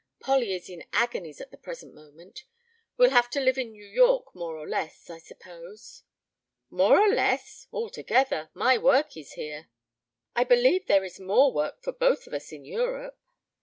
... Polly is in agonies at the present moment ... we'll have to live in New York more or less I suppose?" "More or less? Altogether. My work is here." "I believe there is more work for both of us in Europe."